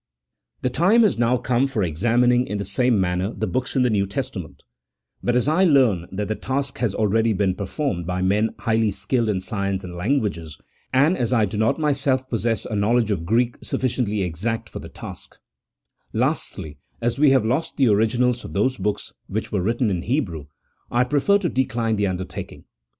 The time has now come for examining in the same manner the books in the New Testament ; but as I learn that the task has been already performed by men highly skilled in science and languages, and as I do not myself possess a knowledge of Greek sufficiently exact for the task ; lastly, as we have lost the originals of those books which were written in Hebrew, I prefer to decline the undertaking.